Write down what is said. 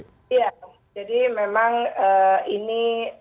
ya jadi memang ini